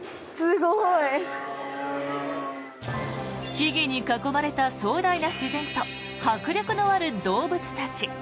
木々に囲まれた壮大な自然と迫力のある動物たち。